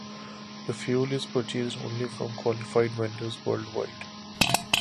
The fuel is purchased only from qualified vendors worldwide.